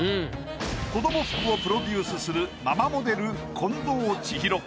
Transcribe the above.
子ども服をプロデュースするママモデル近藤千尋。